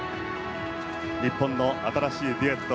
日本の新しいデュエット